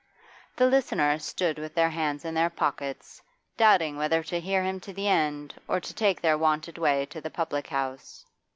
The listeners stood with their hands in their pockets, doubting whether to hear him to the end or to take their wonted way to the public house.